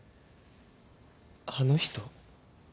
あの人？